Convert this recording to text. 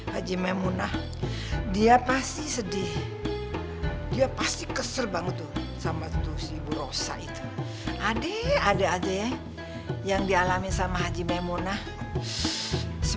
haji main munah dia pasti sedih dia pasti keser banget tuh sama tuh philip hate hadir ada ada yang di alamin oleh mbak ibu rose